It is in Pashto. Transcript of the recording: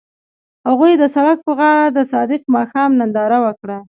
هغوی د سړک پر غاړه د صادق ماښام ننداره وکړه.